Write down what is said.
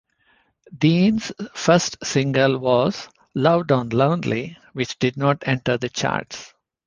Dean's first single was "Lowdown Lonely", which did not enter the charts.